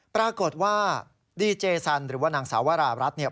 ปรากฏว่าดีเจสันหรือว่านางสาวรารัฐเนี่ย